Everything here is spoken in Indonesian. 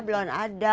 perpuluhan beli diri